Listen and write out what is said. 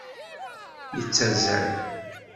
Yettazal.